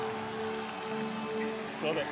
すいません。